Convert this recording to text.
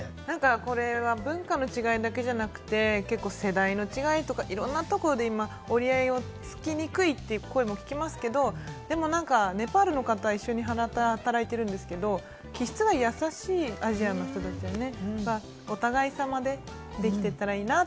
文化の違いだけではなくて、世代の違い、いろんなところで折り合いがつけにくいという声も聞きますけれども、でもネパールの方、一緒に働いているんですけれども、気質が優しい、アジアの人たちはね。